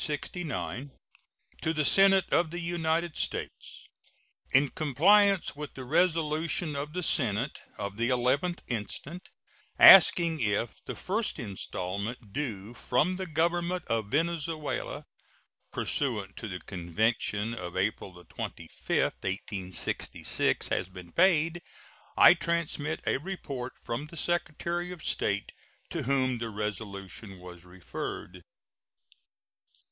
To the Senate of the United States: In compliance with the resolution of the Senate of the 11th instant, asking if the first installment due from the Government of Venezuela pursuant to the convention of April 25, 1866, has been paid, I transmit a report from the Secretary of State, to whom the resolution was referred.